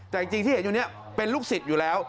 แต่จริงที่เห็นอยู่นี้เป็นลูกศิษย์อยู่แล้ว